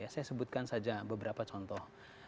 saya sebutkan saja beberapa contoh